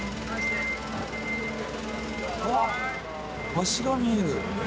足が見える。